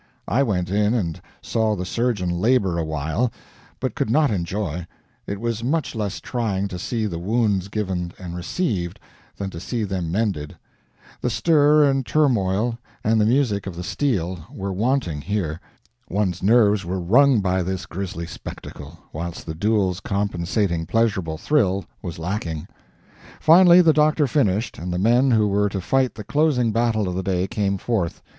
I went in and saw the surgeon labor awhile, but could not enjoy; it was much less trying to see the wounds given and received than to see them mended; the stir and turmoil, and the music of the steel, were wanting here one's nerves were wrung by this grisly spectacle, whilst the duel's compensating pleasurable thrill was lacking. Finally the doctor finished, and the men who were to fight the closing battle of the day came forth.